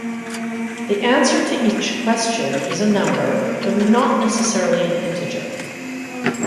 The answer to each question is a number, though not necessarily an integer.